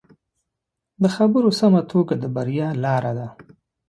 د خبرو سمه توګه د بریا لاره ده